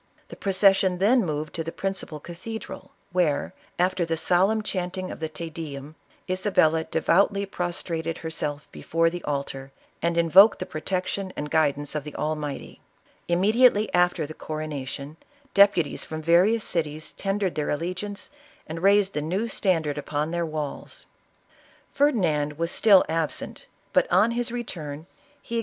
The procession then moved to the principal cathedral, where, after the solemn chanting of the Te Dcum, Isabella devoutly prostrated herself before the altar and invoked the protection and guidance of the Almighty. Immediately after the coronation, deputies from various cities tendered their allegiance and raised the new htundard upon their walls. Ferdinand was still absent, but on his return he ex 4 74 ISABELLA OF CASTILE.